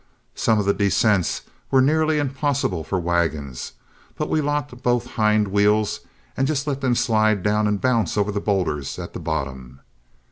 Some of the descents were nearly impossible for wagons, but we locked both hind wheels and just let them slide down and bounce over the boulders at the bottom.